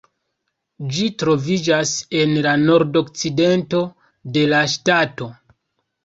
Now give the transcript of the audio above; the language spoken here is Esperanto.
Ĝi troviĝas en la nordokcidento de la ŝtato.